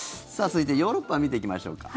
続いて、ヨーロッパを見ていきましょうか。